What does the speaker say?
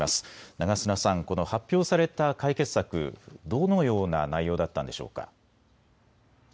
長砂さん、この発表された解決策どのような内容だったでしょうか。